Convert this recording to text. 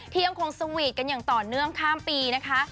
ยังคงสวีทกันอย่างต่อเนื่องข้ามปีนะคะ